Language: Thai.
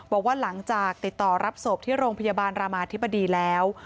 บอกว่าหลังจากติดต่อรับศพที่โรงพยาบาลรามาธิบดีแล้ว